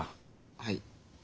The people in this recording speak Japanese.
はい。